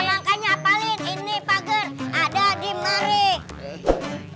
makanya apalagi ini pagar ada di marik